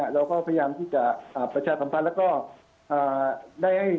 เราก็พยายามที่จะประชาสัมภัยแล้วก็ได้ท่านแหม่เพลิก